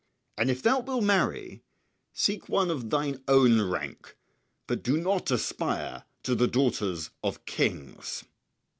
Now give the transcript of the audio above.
And if thou wilt marry, seek one of thine own rank, but do not aspire to the daughters of kings."